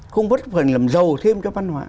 không góp phần làm giàu thêm cho văn hóa